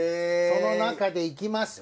その中でいきますと。